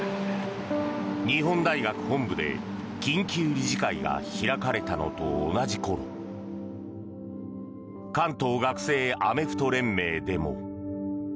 日本大学本部で緊急理事会が開かれたのと同じ頃関東学生アメフト連盟でも。